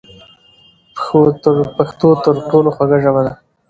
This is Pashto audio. پښتو تر ټولو خوږه ژبه ده.